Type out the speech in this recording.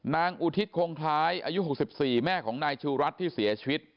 อุทิศคงคล้ายอายุ๖๔แม่ของนายชูรัฐที่เสียชีวิต